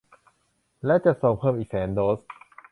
และจะส่งอีกเพิ่มอีกแสนโดส